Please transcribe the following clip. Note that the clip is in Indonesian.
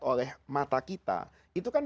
oleh mata kita itu kan